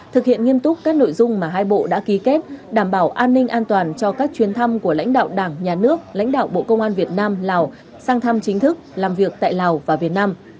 thực hiện nghiêm túc các nội dung mà hai bộ đã ký kết đảm bảo an ninh an toàn cho các chuyến thăm của lãnh đạo đảng nhà nước lãnh đạo bộ công an việt nam lào sang thăm chính thức làm việc tại lào và việt nam